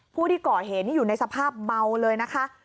ผู้ที่ก่อเหตุนี่อยู่ในสภาพเมาเลยนะคะ